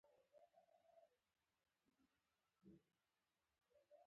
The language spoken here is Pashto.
توپک له ښوونځي چپتیا جوړوي.